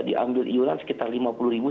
diambil iur an sekitar lima puluh ribu